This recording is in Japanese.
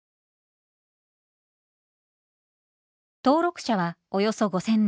登録者はおよそ５，０００人。